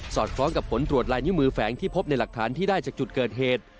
อดคล้องกับผลตรวจลายนิ้วมือแฝงที่พบในหลักฐานที่ได้จากจุดเกิดเหตุ